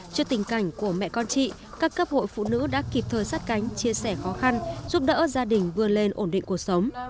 trước tình cảnh của mẹ con chị các cấp hội phụ nữ đã kịp thời sát cánh chia sẻ khó khăn giúp đỡ gia đình vươn lên ổn định cuộc sống